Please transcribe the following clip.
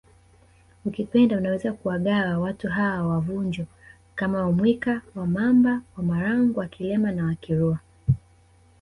Ukipenda unaweza kuwagawa watu hawa wa Vunjo kama WaMwika WaMamba WaMarangu WaKilema na Wakirua